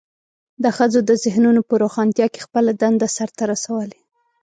د ښځو د ذهنونو په روښانتیا کې خپله دنده سرته رسولې.